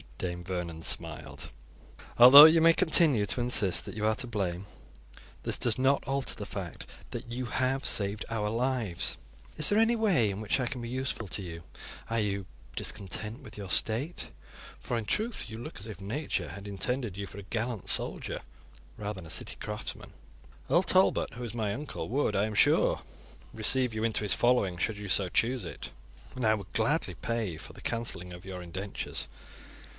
Dame Vernon smiled. "Although you may continue to insist that you are to blame, this does not alter the fact that you have saved our lives. Is there any way in which I can be useful to you? Are you discontent with your state? For, in truth, you look as if Nature had intended you for a gallant soldier rather than a city craftsman. Earl Talbot, who is my uncle, would, I am sure, receive you into his following should you so choose it, and I would gladly pay for the cancelling of your indentures."